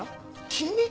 君！